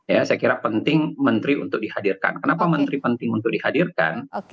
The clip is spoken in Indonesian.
ya saya kira penting menteri untuk dihadirkan kenapa menteri penting untuk dihadirkan